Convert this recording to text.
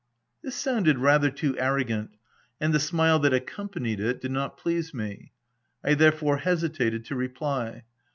This sounded rather too arrogant, and the smile that accompanied it did not please me. I therefore hesitated to reply.